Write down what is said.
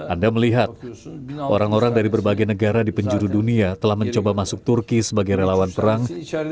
anda melihat orang orang dari berbagai negara di penjuru dunia telah mencoba masuk turki sebagai relawan perang